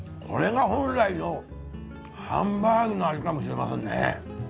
これが本来のハンバーグの味かもしれませんね。